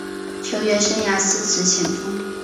球员生涯司职前锋。